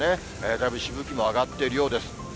だいぶしぶきも上がっているようです。